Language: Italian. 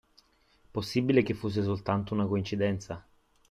Possibile che fosse soltanto una coincidenza?